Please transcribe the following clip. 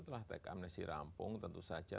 setelah tech amnesty rampung tentu saja